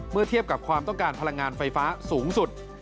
เทียบกับความต้องการพลังงานไฟฟ้าสูงสุด